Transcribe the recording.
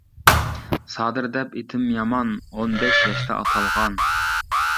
سادىر دەپ ئېتىم يامان، ئون بەش ياشتا ئاتالغان.